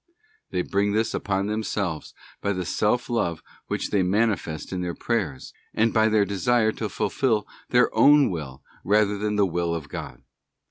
They bring this upon themselves by the self love which they mani fest in their prayers, and by their desire to fulfil their own will rather than the Will of God.